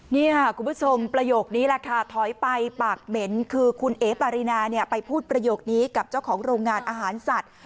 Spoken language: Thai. นี่ค่ะคุณผู้ชมประโยคนี้แหละค่ะถอยไปปากเหม็นคือคุณเอ๋ปารีนาไปพูดประโยคนี้กับเจ้าของโรงงานอาหารสัตว์